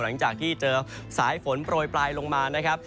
หลังจากที่เจอสายฝนโปรยปลายลงมานะครับ